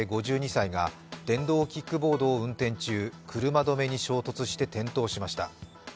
５２歳が電動キックボードを運転中車止めに衝突して転倒しました。